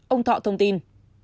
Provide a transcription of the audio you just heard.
ông thọ thông tin